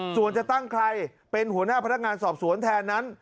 ส่วนจะตั้งใครเป็นหัวหน้าพนักงานสอบสวนแทนนั้น